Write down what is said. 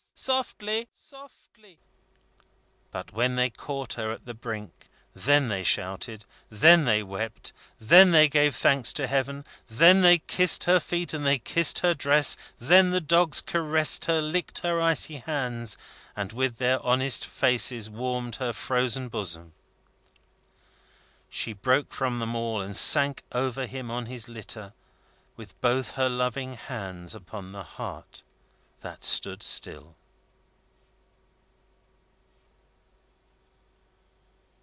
Softly!" But when they caught her at the brink, then they shouted, then they wept, then they gave thanks to Heaven, then they kissed her feet, then they kissed her dress, then the dogs caressed her, licked her icy hands, and with their honest faces warmed her frozen bosom! She broke from them all, and sank over him on his litter, with both her loving hands upon the heart that stood still.